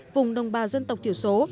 vùng đồng bào dân tộc thiểu số